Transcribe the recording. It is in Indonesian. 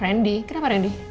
randy kenapa randy